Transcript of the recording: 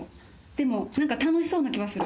でもなんか楽しそうな気はする。